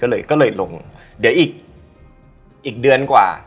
เดี๋ยวอีกเดือนกว่า